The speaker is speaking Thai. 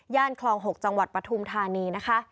ย่านคลอง๖จังหวัดปฐูมธานี